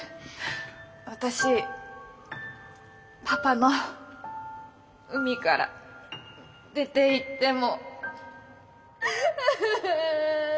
私パパの海から出ていっても。